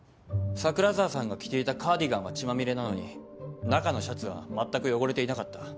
桜沢さんが着ていたカーディガンは血まみれなのに中のシャツはまったく汚れていなかった。